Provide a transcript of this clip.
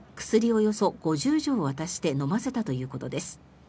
およそ５０錠を渡して飲ませたということです。